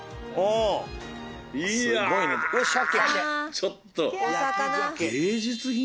ちょっと。